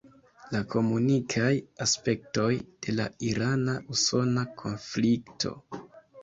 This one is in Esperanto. La komunikaj aspektoj de la irana-usona konflikto.